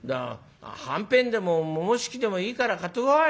はんぺんでもももしきでもいいから買ってこい。